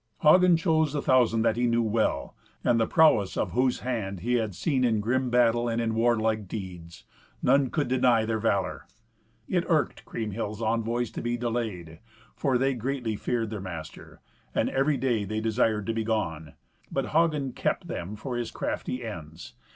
Hagen chose a thousand that he knew well, and the prowess of whose hand he had seen in grim battle, and in warlike deeds. None could deny their valour. It irked Kriemhild's envoys to be delayed, for they greatly feared their master, and every day they desired to be gone. But Hagen kept them for his crafty ends.